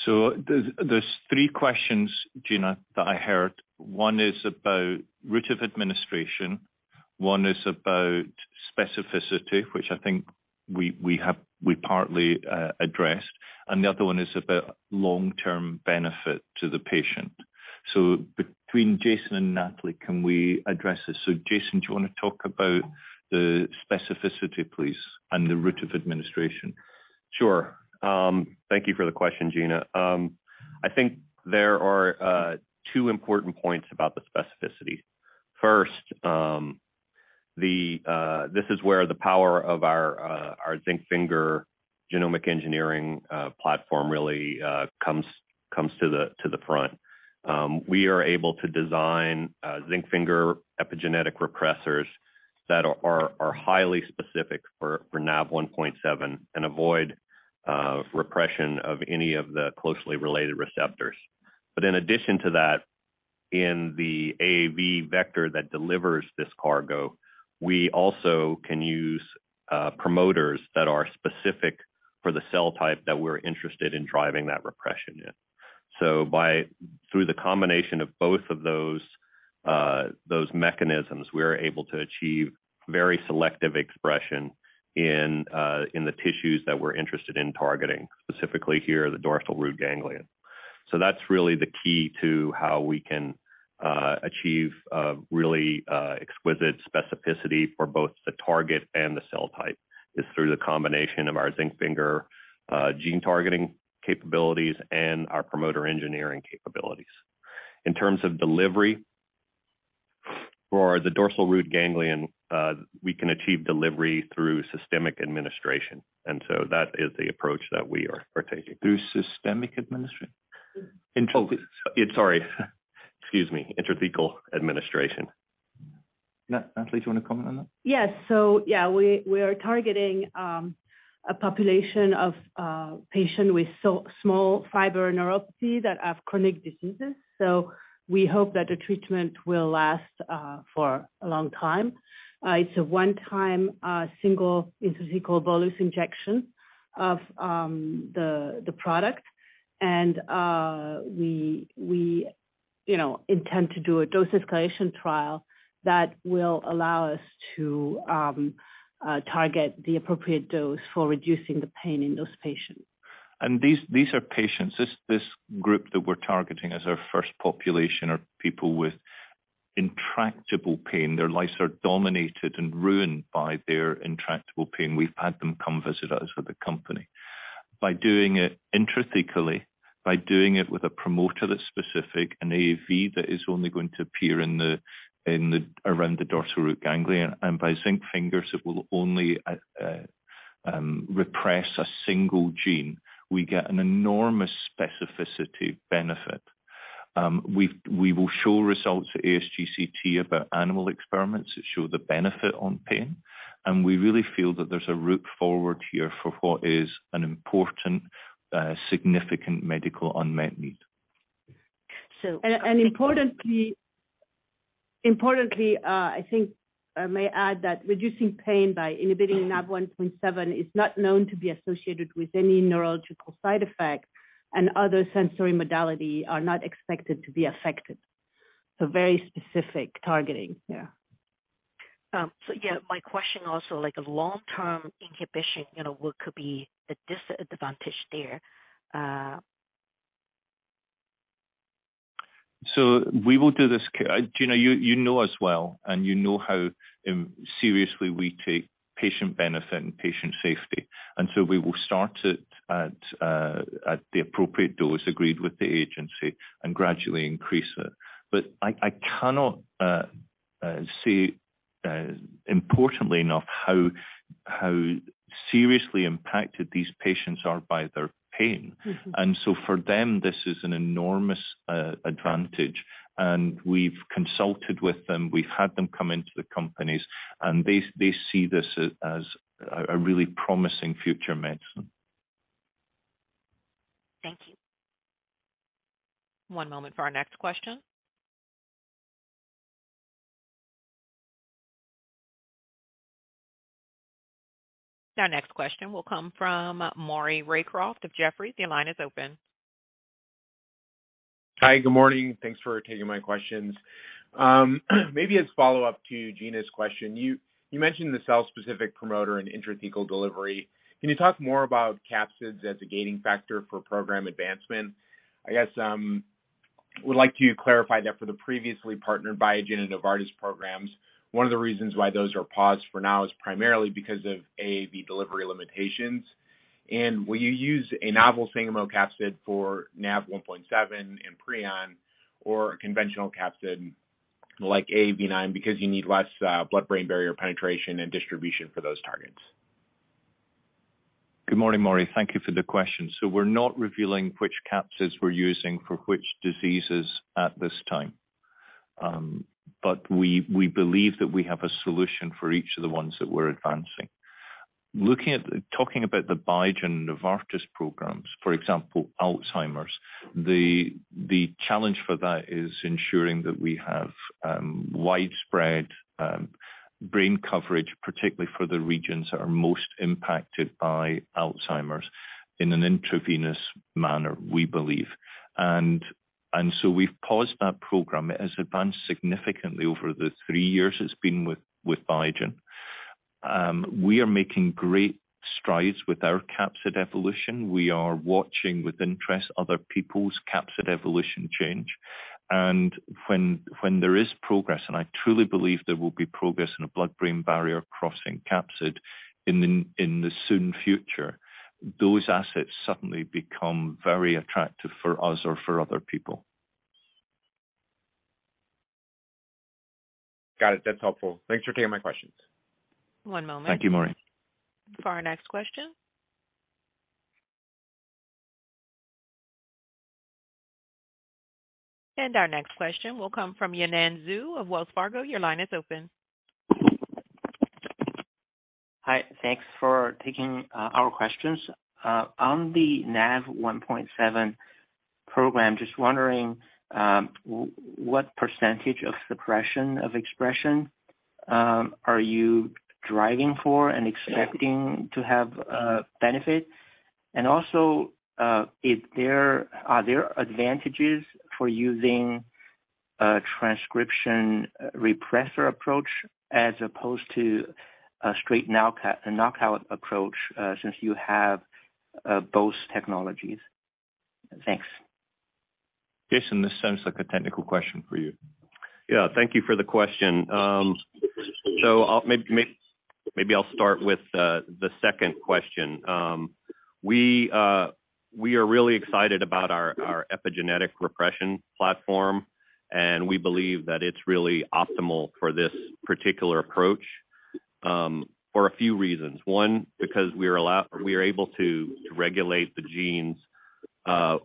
organ? There's 3 questions, Gina, that I heard. 1 is about route of administration, 1 is about specificity, which I think we partly addressed, and the other 1 is about long-term benefit to the patient. Between Jason and Nathalie, can we address this? Jason, do you wanna talk about the specificity please, and the route of administration? Sure. Thank you for the question, Gena. I think there are two important points about the specificity. First, This is where the power of our zinc finger genomic engineering platform really comes to the front. We are able to design zinc finger epigenetic repressors that are highly specific for Nav1.7 and avoid repression of any of the closely related receptors. In addition to that, in the AAV vector that delivers this cargo, we also can use promoters that are specific for the cell type that we're interested in driving that repression in. Through the combination of both of those mechanisms, we are able to achieve very selective expression in the tissues that we're interested in targeting, specifically here the dorsal root ganglion. That's really the key to how we can achieve a really exquisite specificity for both the target and the cell type, is through the combination of our zinc finger gene targeting capabilities and our promoter engineering capabilities. In terms of delivery, for the dorsal root ganglion, we can achieve delivery through systemic administration, that is the approach that we are taking. Through systemic administration? Intra- Oh. Sorry. Excuse me. Intrathecal administration. Nathalie, do you wanna comment on that? Yes. Yeah, we are targeting a population of patient with so-small fiber neuropathy that have chronic diseases. We hope that the treatment will last for a long time. It's a one-time, single intrathecal bolus injection of the product. We, you know, intend to do a dose escalation trial that will allow us to target the appropriate dose for reducing the pain in those patients. These are patients, this group that we're targeting as our first population are people with intractable pain. Their lives are dominated and ruined by their intractable pain. We've had them come visit us with the company. By doing it intrathecally, by doing it with a promoter that's specific, an AAV that is only going to appear around the dorsal root ganglion, and by zinc fingers that will only repress a single gene, we get an enormous specificity benefit. We will show results at ASGCT about animal experiments that show the benefit on pain, and we really feel that there's a route forward here for what is an important, significant medical unmet need. Importantly, I think I may add that reducing pain by inhibiting Nav1.7 is not known to be associated with any neurological side effects and other sensory modality are not expected to be affected. Very specific targeting. Yeah. Yeah, my question also like a long-term inhibition, you know, what could be the disadvantage there? we will do this... Gena, you know us well and you know how seriously we take patient benefit and patient safety. we will start it at the appropriate dose agreed with the agency and gradually increase it. I cannot say importantly enough how seriously impacted these patients are by their pain. Mm-hmm. For them, this is an enormous advantage. We've consulted with them, we've had them come into the companies, and they see this as a really promising future medicine. Thank you. One moment for our next question. Our next question will come from Maury Raycroft of Jefferies. Your line is open. Hi. Good morning. Thanks for taking my questions. Maybe as a follow-up to Gena's question. You mentioned the cell specific promoter and intrathecal delivery. Can you talk more about capsids as a gaining factor for program advancement? I guess, would like to clarify that for the previously partnered Biogen and Novartis programs, one of the reasons why those are paused for now is primarily because of AAV delivery limitations. Will you use a novel Sangamo capsid for Nav1.7 and prion or a conventional capsid like AAV9 because you need less blood-brain barrier penetration and distribution for those targets? Good morning, Maury. Thank you for the question. We're not revealing which capsids we're using for which diseases at this time. We believe that we have a solution for each of the ones that we're advancing. Talking about the Biogen and Novartis programs, for example, Alzheimer's, the challenge for that is ensuring that we have widespread brain coverage, particularly for the regions that are most impacted by Alzheimer's in an intravenous manner, we believe. We've paused that program. It has advanced significantly over the three years it's been with Biogen. We are making great strides with our capsid evolution. We are watching with interest other people's capsid evolution change. When there is progress, and I truly believe there will be progress in a blood-brain barrier crossing capsid in the soon future, those assets suddenly become very attractive for us or for other people. Got it. That's helpful. Thanks for taking my questions. One moment. Thank you, Maury. For our next question. Our next question will come from Yanan Zhu of Wells Fargo. Your line is open. Hi. Thanks for taking our questions. On the Nav1.7 program, just wondering what % of suppression of expression are you driving for and expecting to have benefit? Also, are there advantages for using a transcription repressor approach as opposed to a straight knockout approach since you have both technologies? Thanks. Jason, this sounds like a technical question for you. Thank you for the question. I'll start with the second question. We are really excited about our epigenetic repression platform, and we believe that it's really optimal for this particular approach for a few reasons. One, because we are able to regulate the genes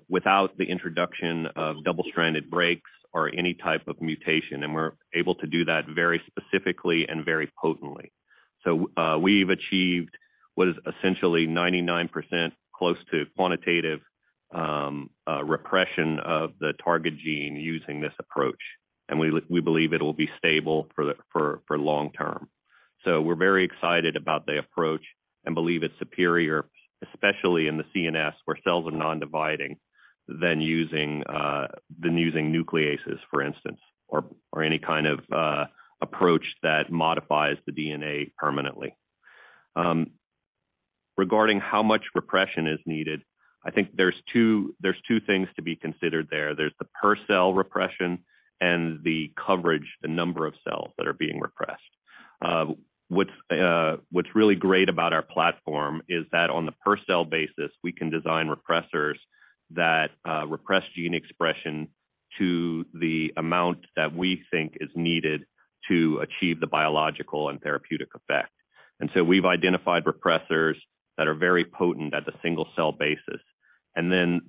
without the introduction of double-strand breaks or any type of mutation, and we're able to do that very specifically and very potently. We've achieved what is essentially 99% close to quantitative repression of the target gene using this approach. We believe it'll be stable for the long term. We're very excited about the approach and believe it's superior, especially in the CNS, where cells are non-dividing than using nucleases, for instance, or any kind of approach that modifies the DNA permanently. Regarding how much repression is needed, I think there's two things to be considered there. There's the per cell repression and the coverage, the number of cells that are being repressed. What's really great about our platform is that on the per cell basis, we can design repressors that repress gene expression to the amount that we think is needed to achieve the biological and therapeutic effect. We've identified repressors that are very potent at the single cell basis.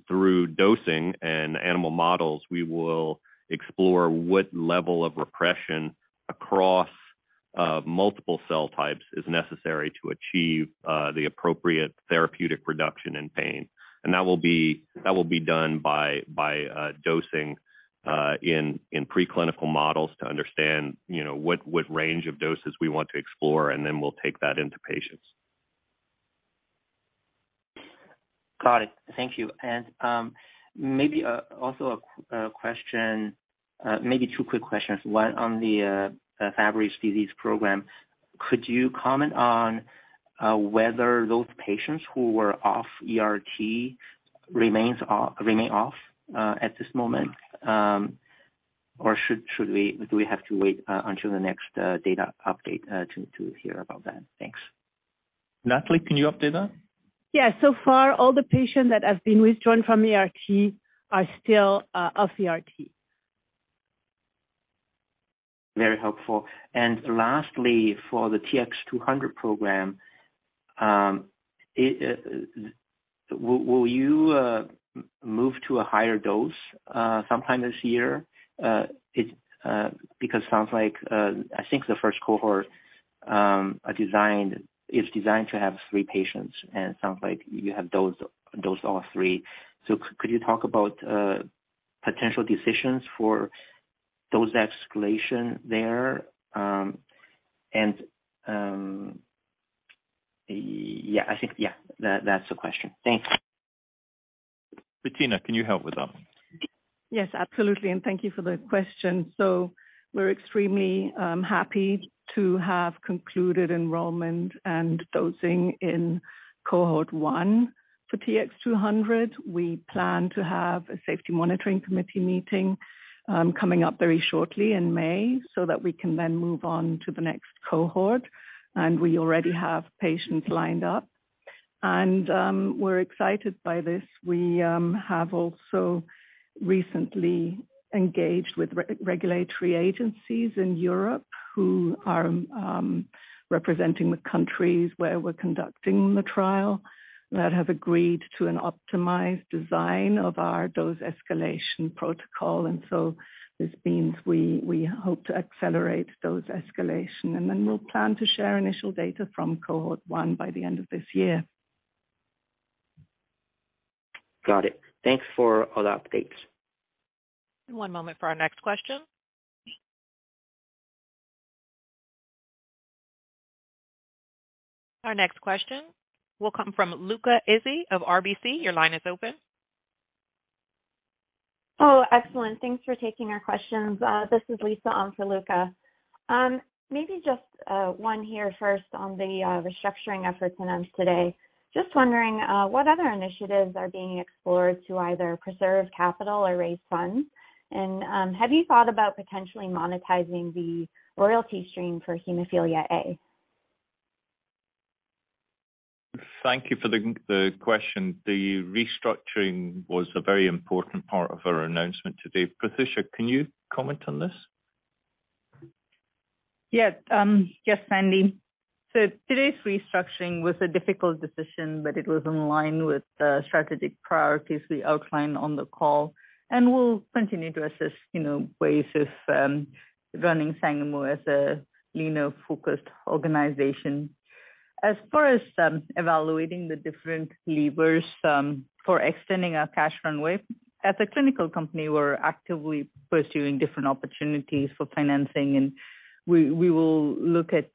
Through dosing and animal models, we will explore what level of repression across multiple cell types is necessary to achieve the appropriate therapeutic reduction in pain. That will be done by dosing in preclinical models to understand, you know, what range of doses we want to explore, and then we'll take that into patients. Got it. Thank you. Maybe also a question, maybe two quick questions. One on the Fabry disease program. Could you comment on whether those patients who were off ERT remain off at this moment? Should we do we have to wait until the next data update to hear about that? Thanks. Nathalie, can you update that? Yeah. Far, all the patients that have been withdrawn from ERT are still off ERT. Very helpful. Lastly, for the TX200 program, will you move to a higher dose sometime this year? Because it sounds like I think the first cohort is designed to have three patients, and it sounds like you have dosed all three. Could you talk about potential decisions for dose escalation there? Yeah, I think, that's the question. Thanks. Bettina, can you help with that one? Yes, absolutely, and thank you for the question. We're extremely happy to have concluded enrollment and dosing in Cohort 1 for TX200. We plan to have a safety monitoring committee meeting coming up very shortly in May so that we can then move on to the next cohort, and we already have patients lined up. We're excited by this. We have also recently engaged with regulatory agencies in Europe who are representing the countries where we're conducting the trial, that have agreed to an optimized design of our dose escalation protocol. This means we hope to accelerate dose escalation, and then we'll plan to share initial data from Cohort 1 by the end of this year. Got it. Thanks for all the updates. One moment for our next question. Our next question will come from Luca Issi of RBC. Your line is open. Oh, excellent. Thanks for taking our questions. This is Lisa on for Luca. Maybe just one here first on the restructuring efforts announced today. Just wondering what other initiatives are being explored to either preserve capital or raise funds? Have you thought about potentially monetizing the royalty stream for hemophilia A? Thank you for the question. The restructuring was a very important part of our announcement today. Prathyusha, can you comment on this? Yes. Yes, Andy. Today's restructuring was a difficult decision, but it was in line with the strategic priorities we outlined on the call and we'll continue to assess, you know, ways of running Sangamo as a leaner focused organization. As far as evaluating the different levers for extending our cash runway, as a clinical company, we're actively pursuing different opportunities for financing, and we will look at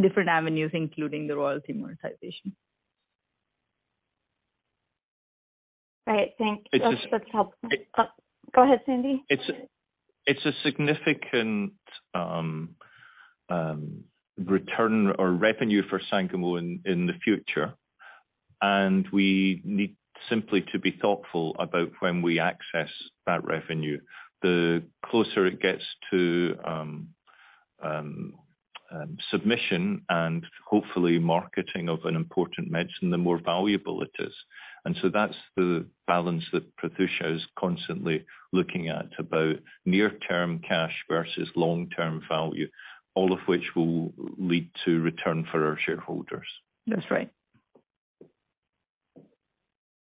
different avenues, including the royalty monetization. Right. Thank you. It's just- That's helpful. Go ahead, Sandy. It's a, it's a significant return or revenue for Sangamo in the future, and we need simply to be thoughtful about when we access that revenue. The closer it gets to submission and hopefully marketing of an important medicine, the more valuable it is. That's the balance that Prathyusha is constantly looking at about near-term cash versus long-term value, all of which will lead to return for our shareholders. That's right.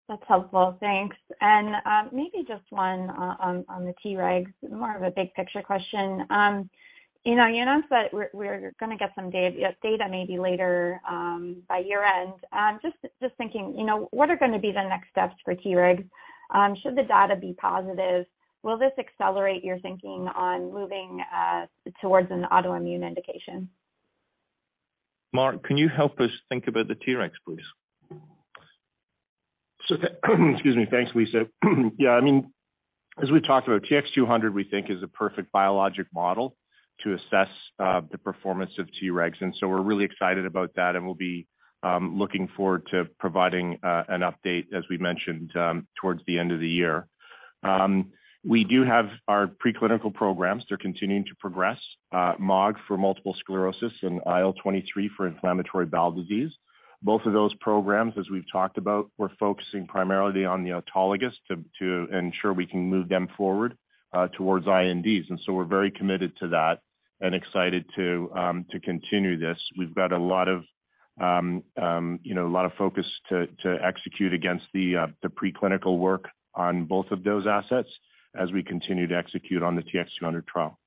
That's helpful. Thanks. Maybe just one on the Tregs, more of a big picture question. You know, you announced that we're gonna get some data maybe later by year-end. Just thinking, you know, what are gonna be the next steps for Tregs? Should the data be positive? Will this accelerate your thinking on moving towards an autoimmune indication? Mark, can you help us think about the Tregs, please? Excuse me. Thanks, Lisa. I mean, as we talked about, TX200, we think is a perfect biologic model to assess the performance of TREGs. We're really excited about that, and we'll be looking forward to providing an update, as we mentioned, towards the end of the year. We do have our preclinical programs. They're continuing to progress, MOG for multiple sclerosis and IL-23 for inflammatory bowel disease. Both of those programs, as we've talked about, we're focusing primarily on the autologous to ensure we can move them forward towards INDs. We're very committed to that and excited to continue this. We've got a lot of- you know, a lot of focus to execute against the preclinical work on both of those assets as we continue to execute on the TX200 trial.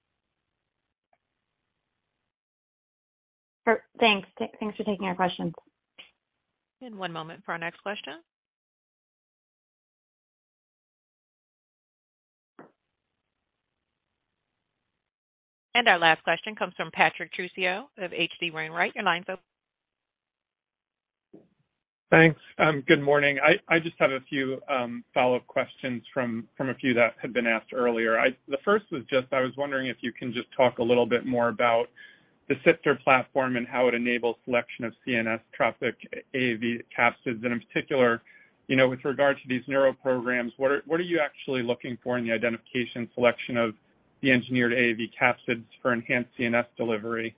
Sure. Thanks. Thanks for taking our question. One moment for our next question. Our last question comes from Patrick Trucchio of H.C. Wainwright & Co. Your line's open. Thanks. Good morning. I just had a few follow-up questions from a few that had been asked earlier. The first was just I was wondering if you can just talk a little bit more about the SIFTER platform and how it enables selection of CNS-trophic AAV capsids. In particular, you know, with regard to these neuro programs, what are you actually looking for in the identification selection of the engineered AAV capsids for enhanced CNS delivery?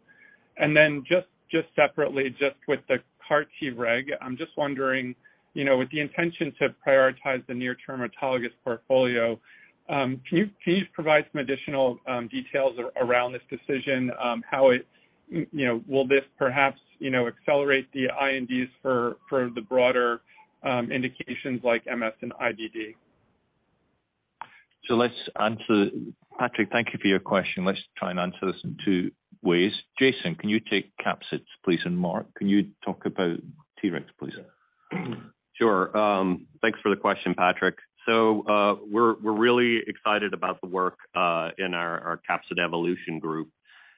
Separately, with the CAR-Treg, I'm just wondering, you know, with the intention to prioritize the near-term autologous portfolio, can you provide some additional details around this decision, how it, you know, will this perhaps, you know, accelerate the INDs for the broader indications like MS and IBD? Let's answer... Patrick, thank you for your question. Let's try and answer this in two ways. Jason, can you take capsids, please, and Mark, can you talk about Tregs, please? Sure. Thanks for the question, Patrick Trucchio. we're really excited about the work in our Capsid Evolution Group.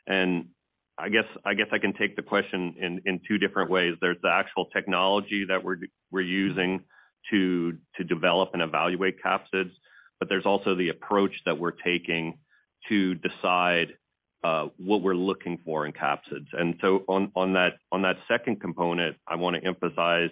I guess I can take the question in two different ways. There's the actual technology that we're using to develop and evaluate capsids, but there's also the approach that we're taking to decide what we're looking for in capsids. on that second component, I wanna emphasize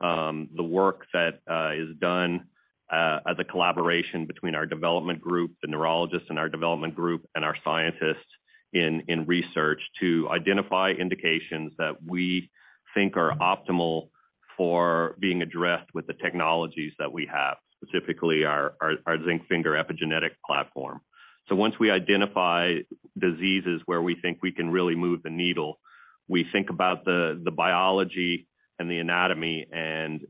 the work that is done as a collaboration between our development group, the neurologists in our development group, and our scientists in research to identify indications that we think are optimal for being addressed with the technologies that we have, specifically our Zinc Finger Epigenetic Platform. Once we identify diseases where we think we can really move the needle, we think about the biology and the anatomy and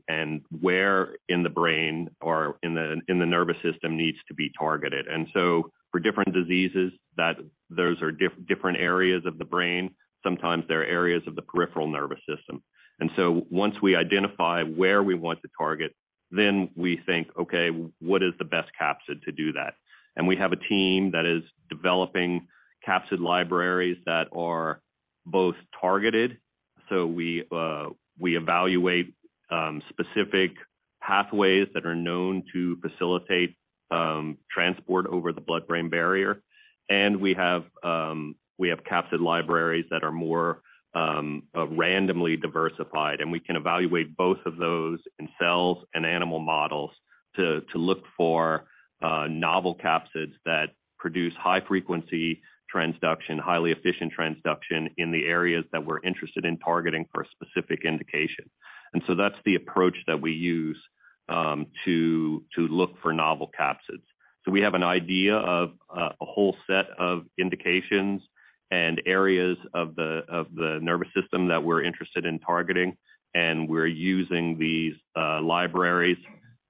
where in the brain or in the nervous system needs to be targeted. For different diseases, those are different areas of the brain. Sometimes they're areas of the peripheral nervous system. Once we identify where we want to target, then we think, "Okay, what is the best capsid to do that?" We have a team that is developing capsid libraries that are both targeted, so we evaluate specific pathways that are known to facilitate transport over the blood-brain barrier. We have capsid libraries that are more randomly diversified, and we can evaluate both of those in cells and animal models to look for novel capsids that produce high frequency transduction, highly efficient transduction in the areas that we're interested in targeting for a specific indication. That's the approach that we use to look for novel capsids. We have an idea of a whole set of indications and areas of the nervous system that we're interested in targeting, and we're using these libraries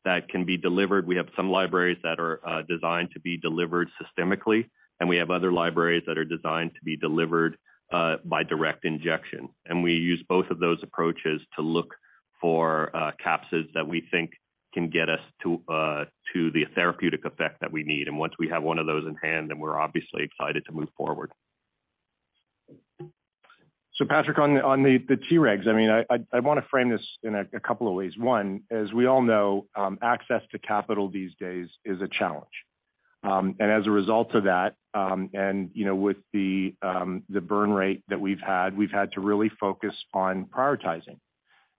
that can be delivered. We have some libraries that are designed to be delivered systemically, and we have other libraries that are designed to be delivered by direct injection. We use both of those approaches to look for capsids that we think can get us to the therapeutic effect that we need. Once we have one of those in hand, then we're obviously excited to move forward. Patrick, on the Tregs, I wanna frame this in a couple of ways. One, as we all know, access to capital these days is a challenge. As a result of that, and, you know, with the burn rate that we've had, we've had to really focus on prioritizing.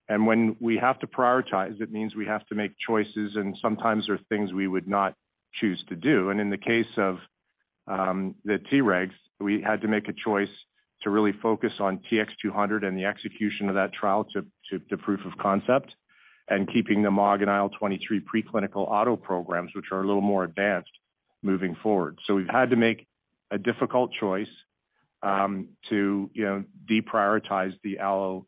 When we have to prioritize, it means we have to make choices, and sometimes there are things we would not choose to do. In the case of the Tregs, we had to make a choice to really focus on TX200 and the execution of that trial to proof of concept and keeping the MOG and IL-23 preclinical auto programs, which are a little more advanced moving forward. We've had to make a difficult choice, to, you know, deprioritize the allo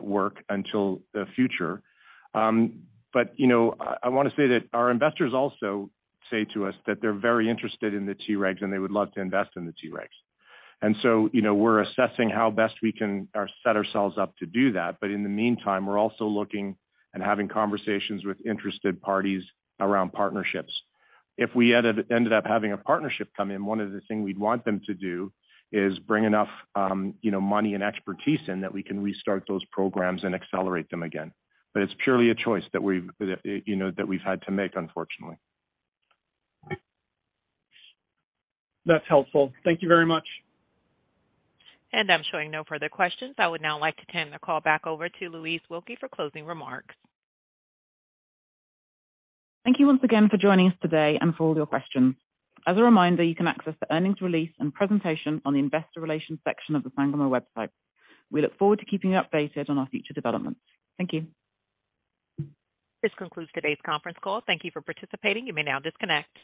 work until the future. You know, I wanna say that our investors also say to us that they're very interested in the Tregs, and they would love to invest in the Tregs. You know, we're assessing how best we can set ourselves up to do that. In the meantime, we're also looking and having conversations with interested parties around partnerships. If we ended up having a partnership come in, one of the things we'd want them to do is bring enough, you know, money and expertise in that we can restart those programs and accelerate them again. It's purely a choice that we've, you know, that we've had to make, unfortunately. That's helpful. Thank you very much. I'm showing no further questions. I would now like to turn the call back over to Louise Wilkie for closing remarks. Thank you once again for joining us today and for all your questions. As a reminder, you can access the earnings release and presentation on the investor relations section of the Sangamo website. We look forward to keeping you updated on our future developments. Thank you. This concludes today's conference call. Thank you for participating. You may now disconnect.